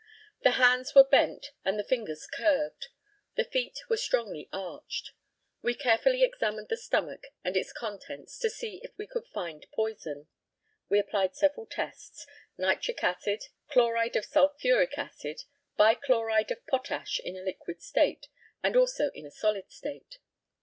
The hands were bent and the fingers curved. The feet were strongly arched. We carefully examined the stomach and its contents to see if we could find poison. We applied several tests nitric acid, chloride of sulphuric acid, bi chloride of potash in a liquid state, and also in a solid state.